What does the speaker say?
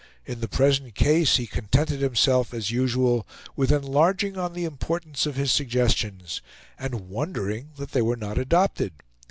In the present case, he contented himself, as usual, with enlarging on the importance of his suggestions, and wondering that they were not adopted.